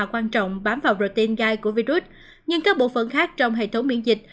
quan trọng bám vào tên gai của virus nhưng các bộ phận khác trong hệ thống miễn dịch